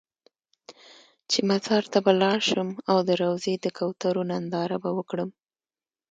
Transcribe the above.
چې مزار ته به لاړ شم او د روضې د کوترو ننداره به وکړم.